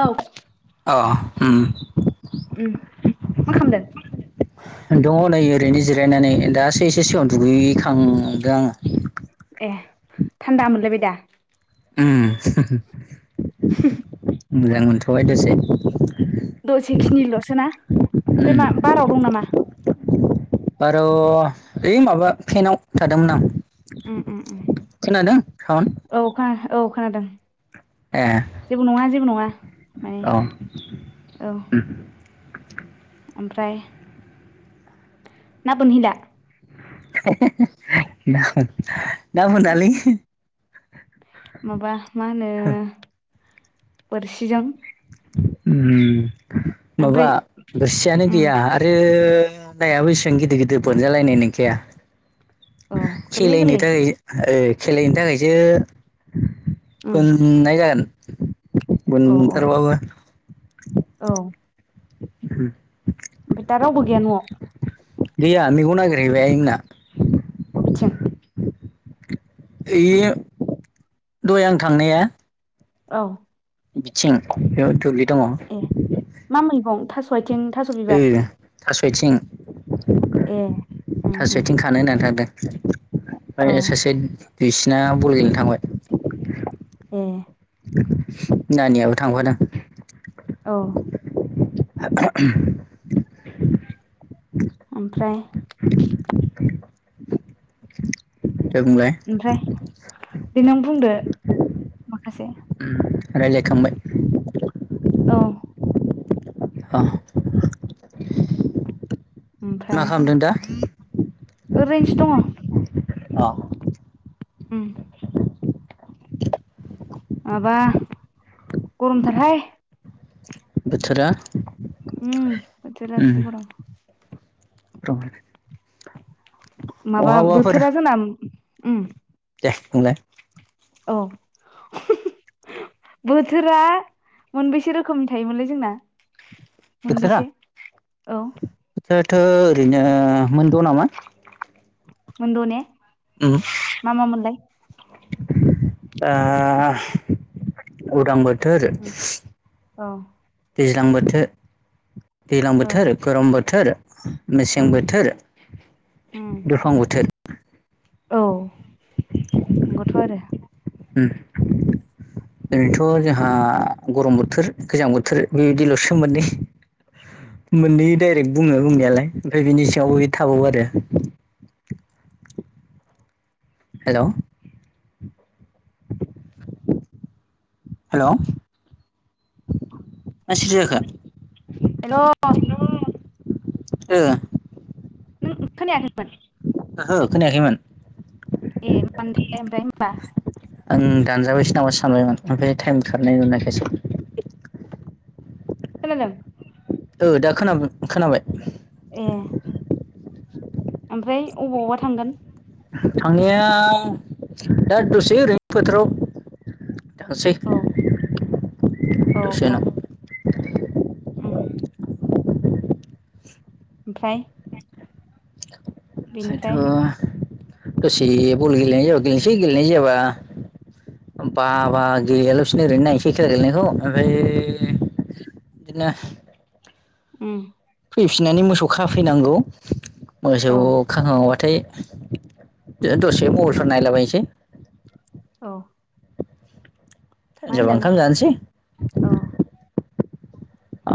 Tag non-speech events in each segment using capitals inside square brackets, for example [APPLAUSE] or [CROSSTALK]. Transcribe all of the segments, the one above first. औ अ उम उमह मा खामदों दङ' नै ओरैनो जिरायनानै दासो एसे सिगाङाव दुगैखांदो आङो एहथान्दा मोनलायबाय दा। उम [UNINTELLIGIBLE] मोजां मोनथ'बाय दसे दसेखिनिल'सो ना ओमफाय उम मा बाराव दं नामा बार' ओइ माबा फेनाव थादोंमोन आं उम उम उम खोनादों साउन औ खोना औ खोनादों जेबो नङा जेबो नङा माने औ औ ओमफ्राय ना बोनहैला [UNINTELLIGIBLE] दा बोनालै माबा मा होनो बोरसिजोम उम ओमफ्राय माबा बोससियानो उम गैया आरो ओ नायाबो एसां गिदिर गिदिर बोनजा लायनाय निंखाया औ गोरलै खेलायनो गोरलै थाखाय ओ खेलायनो थाखायसो उम बोननाय जागोन औ औ बोन्थार बाबो औ ह ओफाय दा रावबो गया नआव गैया मैगं नागिरहैबाय आइमोना मिथिं ए दय आं‌ थांनाया औ बिथिं बेयाव दङ ओ ए मा मैगं थास आथिं थास बिबार थास'यथिं ए उम थास'य उम आथिं खानो होनना थादों। औ ओमफ्राय सासे दुइसिना बल गेलेनो थांबाय ए नानियाबो थांफादों औ [UNINTELLIGIBLE] ओमफ्राय दे बुंलाय ओमफ्राय दे नों बुंदो माखासे रायलायखांबाय अ अ मा ओमफ्राय खालामदों दा ओरैनोसो दङ अह उ माबा गरमथारहाय बोथोरा उम बोथोरा जि उम गरम [UNINTELLIGIBLE] माबा बहाबाफोर बोथोरा जोंना उम बुंलाय औ बोथोरा मोनबेसे रोखोमनि थायोमोनलै जोंना बोथोरा मोनबेसे औ थो ओरैनो मोनद' नामा मोन द' ने मा मा मोनलाय ओ उदां बोथोर औ दैज्लां बोथो दैज्लां औ बोथोर, गरम बोथोर उम मेसें बोथोर, उम दुफां बोथोर औ नंगौथ' आरो उम ओरैनोथ' जोंहा गरम बोथोर, गोजां बोथोर बेदिल'सो मोननै मोननै डाइरेक्ट बुङो बुंनायालाय ओमफ्राय बिनि सिङावबो बि थाबावो आरो हेल' हेल' मा सिरिजाखो हेल' ओ नों खोनायाखैमोन ओहो खोनायाखैमोन ए मानोथाय होमबा आं दानजाबायसो नामा सानबायमोन ओमफ्राय टाइम खारनाय नुनायखायसै खोनादों ओ दा खोना-खोनाबाय ए। ओमफ्राय अबावबा थांगोन? थांनाया दा दसे ओरैनो फोथाराव थांसै। औ औ दसे औ उनाव। उम। ओमफ्राय बेनिफ्राय सायथ'वा दसे बल गेलेनाय जाबा गेलेनोसै गेलेनाय जायाबा बाबा गेलेयाल'सिनो ओरैनो नायसै खेला गेलेनायखौ ओरैनो बिदिनो उम। फैफिनानै मोसौ खाफैनांगौ मोसौ औ खाखांबाथाय दसे मबेलफोर नायलाबायनोसै। औ। मा लाइमोन जाबा होनदों ओंखाम जानोसै। औ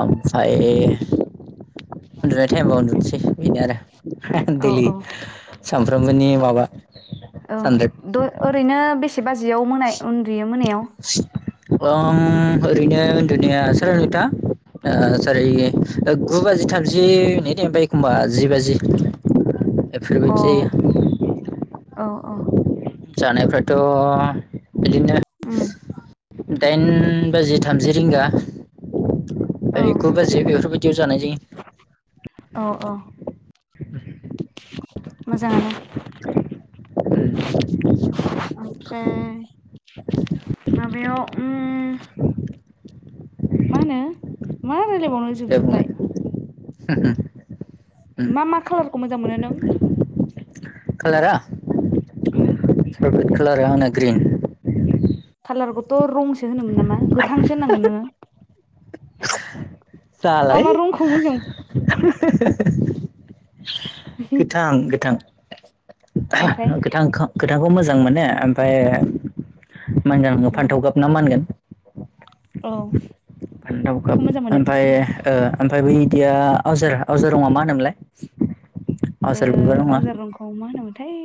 ओमफ्राय उन्दुनाय थाइमाव उम उन्दुनोसै बेनो आरो [UNINTELLIGIBLE] औ देइलि औ सामफ्रोमबोनि माबा औ सानरेब द ओरैनो से बाजियाव मोनाय उन्दुयो मोनायाव। ओं ओरैनो उन्दुनाया सो नोंथां ओ सारि गु बाजि थामजि [UNINTELLIGIBLE] एखमबा जि बाजि एफोर अ बायदि जायो। औ औ। जानायफ्राथ' बिदिनो उम दाइन बाजि थामजि रिंगा औ यै गु बाजि बेफोरबायदियाव जानाय जायो। अ। मोजाङानो। [INAUDIBLE] ओमफ्राय माबायाव उम। मा होनो मा रायलायबावनो दे जोबजोबबाय। [UNINTELLIGIBLE] मा मा कालारखौ मोजां मोनो नों? कालारा? उम फेब्रेत कालारा आंना ग्रिन। कालारखौथ' रंसो होनोमोन नामा? गोथांसो होननांगोन नोङो। मा जालाय मा रंखौ मोजां मोनो? [UNINTELLIGIBLE] गोथां गोथां। ओमफ्राय [UNINTELLIGIBLE] गोथां [UNINTELLIGIBLE] गोथांखौ मोजां मोनो। ओमफ्राय मा ओनगोन उम फान्थाव गाब ना मा होनगोन? औ बेखौ मोजां मोनो। एह ओ ओमफाय बै बिदिया आवजार आवजार रङा मा होनोमोनलाय? ओ आवजार बिबार रङा आवजार रंखौ मा होनोमोनथाय?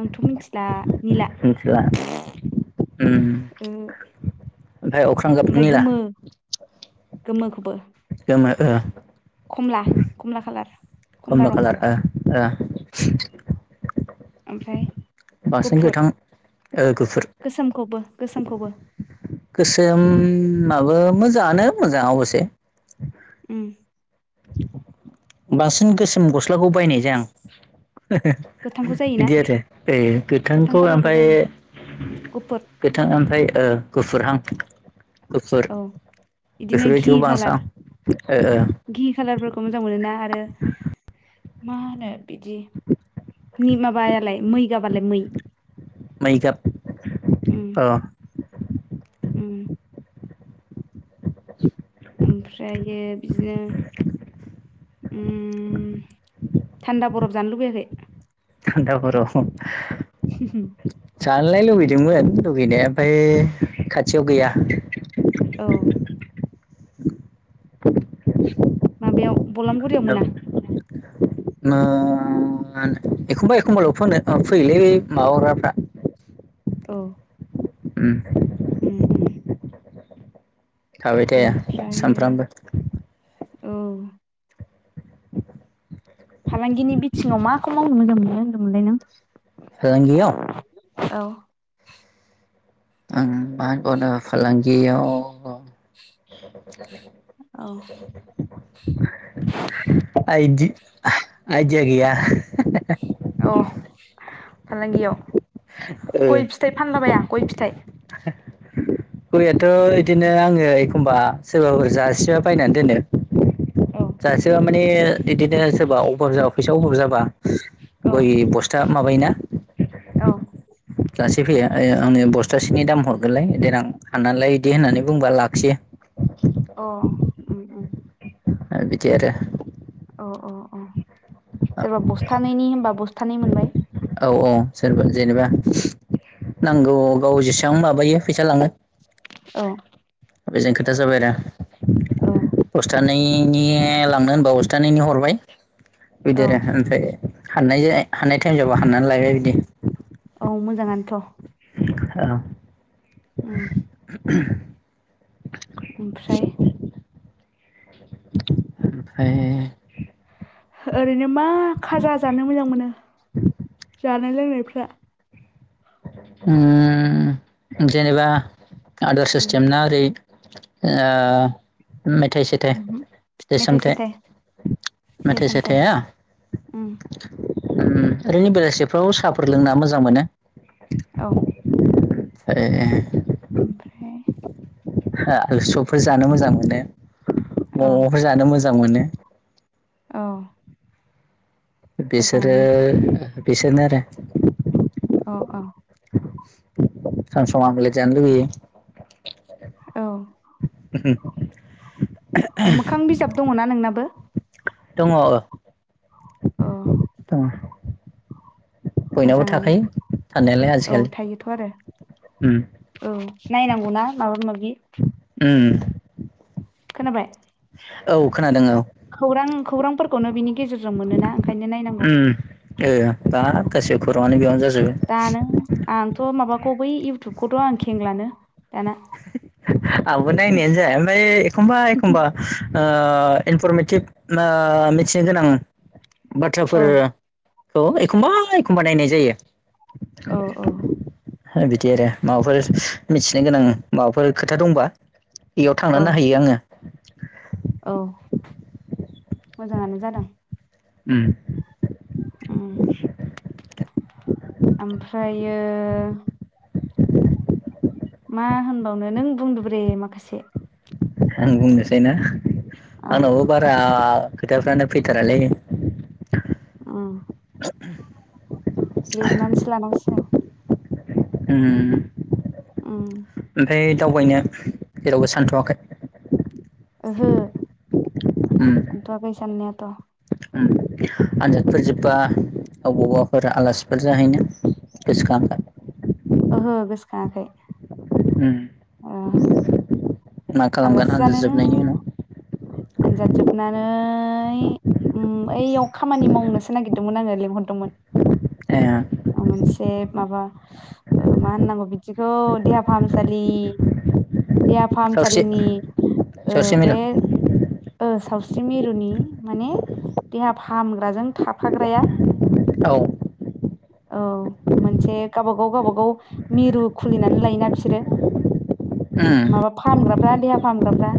आंथ' मिनथिला। मिनथिला उम। ओ ओमफाय अख्रां गाब ओमफ्राय निला। गोमो गोमोखौबो गोमो ओ खमला खमला खालार खमला कमला रं कालार ओ ओ ओमफ्राय बांसिन गुफुर गोथां ओ गुफुर गोसोमखौबो। गोसोमखौबो। गोसोमाबो मोजाङानो मोजाङ अबिसे। उम बांसिन गोसोम गस्लाखौ बायनाय जाया आं। गोथांखौ जायोना बिदि आरो ओ गोथां गोथांखौ खालारबो ओमफ्राय जायो गुफुर गोथां ओमफ्राय गुफुरहां। गोफुर औ बिदिनो घि बेफोरबायदिबो बां खालार सानो ओ ओ। घि खालारफोरखौ मोजां मोनो ना आरो मा होनो बिदि नि माबायालाय मै गाबालाय मै। मै गाब उम अ उम [INAUDIBLE] ओमफ्रायो बिदिनो ओम थान्दा बरफ जानो लुबैयाखै? थान्दा बरफ [INAUDIBLE] जानायलाय लुुबैदोंमोन लुगैनाया ओमफ्राय खाथियाव गैया। औ [INAUDIBLE] माबायाव बलाममगुरियाव मोना? मा एखमबा एखमबाल' फोनो फैयोलै बे माबाग्राफ्रा औ उम उम उम थाबाय थाया ओमफ्रायो सानफ्रामबो। औ फालांगिनि बिथिङाव माखौ मावनो मोजां मोनो होनदोंमोनलाय नों? फालांगियाव। औ आं मागना फालांगियाव। औ आइदि आइदिया गैया। औ फालांगियाव ओ गय फिथाइ फानलाबाया गय फिथाइ? गयाथ' बिदिनो आङो एखमबा सोरबाफोर जाास्रिबा बायनानै दोनो। औ जासिबा माने बिदिनो सोरबा अभाब जाबा फैसा अभाब जाबा। गय बस्था माबायोना। औ सि फैयो ओ आंनो बस्थासेनि दाम हरगोनलाय देनां हाननानैला इदि होननानै बुंबा लाखियो। अ उम उम। ओ बिदि आरो अ अ अ सोरबा बस्थानैनि होनबा बस्थानै मोनबाय। औ औ सोरबा जेनेबा नांगौ गाव जेसेबां माबायो फैसा लाङो। औ रेजें खोथा जाबाय आरो औ नैनि लांनो होनबा बस्थानैनि हरबाय बिदि औ आरो ओमफ्राय हाननाय जायो हाननाय टाइम जाबा हाननानै लायबाय बिदि। औ मोजाङानोथ'। औ उम ओमफ्राय ओमफ्राय ओरैनो मा खाजा जानो मोजां मोनो जानाय लोंनायफ्रा उम जेनेबा आदार उम सिस्टेम ना ओरै ओ मेथाइ -सेथाइ उमहो 'फिथाइ- मेथाइ सामथाइ सेथाइ मेथाइ- सेथाया उम उम ओरैनो बेलासिफ्राव साहाफोर लोंना मोजां मोनो। औ [UNINTELLIGIBLE] ओमफ्राय आलुसबफोर जानो मोजां मोनो औ मम'फोर जानो मोजां मोनो। औ बिसोरो मोजाङानो बिसोरनो आरो अ- अ सम- सम आमलेद जानो लुगैयो। औ मोखां बिजाब दङना नोंनाबो दङ ओ औ बयनावबो थाखायो थानायालाय औ आजिखालि थायोथ' आरो उम औ नायनांगौना माबा- माबि उम खोनाबाय औ खोनादों औ खौरां खौरांफोरखौनो बिनि गेजेरजों मोनो ना ओंखायनो नायनांगौ। उम ओ बा उम गाैसैबो खौरांआनो बेयावनो जाजोबो गुबै इउटुबखौथ' आं खेंलानो दाना आंबो नायनायानो जाया ओमफाय एखमबा -एखमबा ओ इनफरमेटिभ ओ मिथिनो गोनां बाथ्राफोर औ औ एखमबा- एखमबा नायनाय जायो औ औ बिदि आरो माबाफोर मिथिनो गोनां माबाफोर खोथा दंबा इयाव औ थांना‌ नायहैयो आङो औ मोजाङानो जादों उम उम ओमफ्रायो मा होनबावनो नों बुंदोब्रे माखासे आं बुंनोसैना औ आंनावबो बारा खोथाफ्रानो फैथारालै उम [UNINTELLIGIBLE] लिरनानैसो लानांसिगोन ओम उम ओमफाय दावबायनो जेरावबो सानथ'वाखै। ओहो उम सानथ'वाखै साननायाथ'। उम आनजादफोर जोब्बा अबावबाफोर आलासिफोर जाहैनो गोसोखां ओहो गोसोखाङाखै। उम मा खालामगोन आनजाद आलासिजानोनो जोबनायनि उनाव आनजाद जोबनानै ओम ओइयाव खामानि मावनोसो नागिरदोंमोन आङो लिंहरदोंमोन। ए [UNINTELLIGIBLE] एसे माबा ओ मा होननांगौ बिदिखौ देहा फाहामसालि देहा सावस्रि फाहामसालिनि ओ सावस्रि मिल बे ओ सावस्रि मिरुनि माने देहा फाहामग्राजों थाफाग्राया औ औ मोनसे गावबागाव गावबागाव मिरु खुलिनानै लायोना बिसोरो [INAUDIBLE] माबा फाहामग्राफ्रा देहा फाहामग्राफ्रा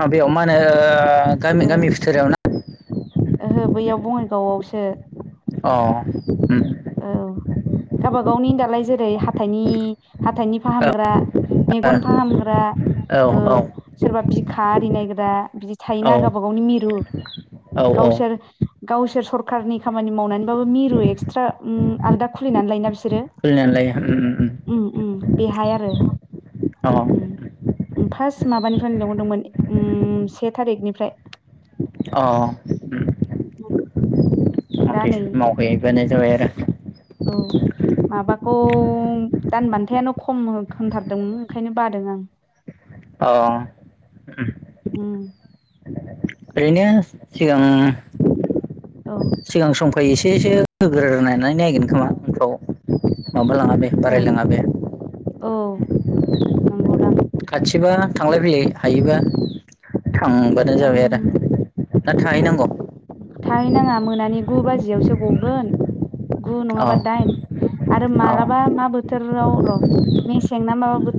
माबायाव मा होनो गामि ओ गामि बिथोराव ना ओहो बैयाव बङाइगावआवसो अ ओम औ गाबागावनि दालाय जेरै हाथाइनि हाथाइनि औ फाहामग्रा मेगन फाहामग्रा ओ औ सोरबा बिखा आरि नायग्रा बिदि औ थायोना गावबा गावनि मिरु, औ औ गावसोर गावसोर सरखारनि खामानि मावनानैबाबो मिरु एक्सट्रा ओम आलदा खुलिनानै लायोना बिसो बिसोरो खुलिनानै लायो उम ओम ओम बेहाय आरो उम ओम ओम फास्ट माबानिफ्रायनो लेंहरदोंमोन ओम से थारिकनिफ्राय अ ओम [UNINTELLIGIBLE] दा नै [UNINTELLIGIBLE] मावहैबानो जाबाय आरो औ दानबान्थायानो खम होग होनथारदोंमोन ओंखायनो बादों आं। अ ओम ओरैनो सिगां औ सिगां सम फाय एसे एसे होग्रानानै नायगोन खोमा उनफ्राव। माबा लाङा बे औ बारायलाङा बे। औ नोंगौदां। थिगबा थांलाय फैलाय हायोबा थांबानो जाबाय आरो आं दा थाहैनांगौ? थाहैनाङा मोनानि गु बाजियावसो गगोन गु अ नङाबा दाइन आरो अ मालाबा मा बोथोराव र' मेसेंना माबा बो